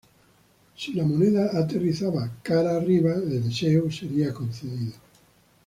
Si la moneda aterrizaba "cara arriba" el deseo sería concedido.